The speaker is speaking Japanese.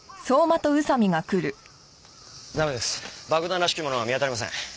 駄目です爆弾らしきものは見当たりません。